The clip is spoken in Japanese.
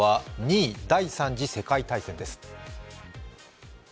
２位、第３次世界大戦です。